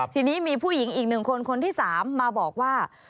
ทีนี้มีผู้หญิงอีก๑คนคนที่๓มาบอกว่า